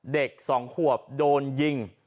เด็ก๒ขวบโดนยิง